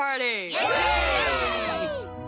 イエイ！